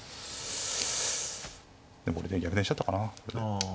これで逆転しちゃったかな。